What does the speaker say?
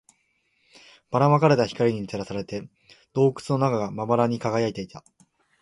ばら撒かれた光に照らされて、洞窟の中がまばらに輝いていた